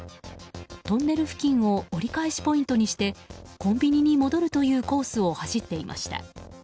トンネル付近を折り返しポイントにしてコンビニに戻るというコースを走っていました。